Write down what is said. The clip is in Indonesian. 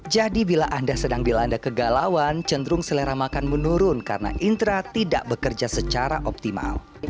jadi bila anda sedang dilanda kegalauan cenderung selera makan menurun karena indera tidak bekerja secara optimal